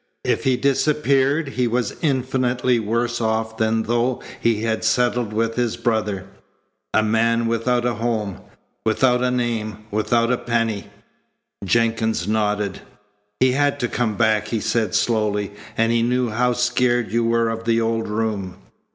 If he disappeared he was infinitely worse off than though he had settled with his brother a man without a home, without a name, without a penny." Jenkins nodded. "He had to come back," he said slowly, "and he knew how scared you were of the old room."